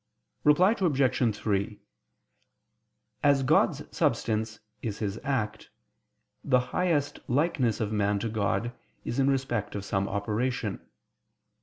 Reply Obj. 3: As God's substance is His act, the highest likeness of man to God is in respect of some operation.